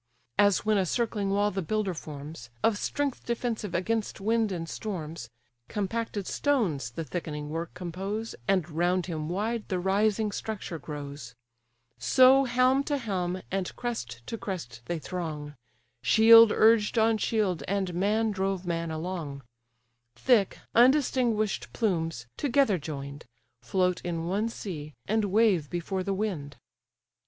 As when a circling wall the builder forms, Of strength defensive against wind and storms, Compacted stones the thickening work compose, And round him wide the rising structure grows: So helm to helm, and crest to crest they throng, Shield urged on shield, and man drove man along; Thick, undistinguish'd plumes, together join'd, Float in one sea, and wave before the wind.